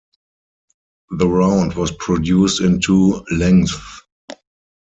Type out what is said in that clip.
The round was produced in two lengths.